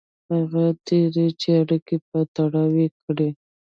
هغه تېري چې اړیکو په تړاو یې کړي.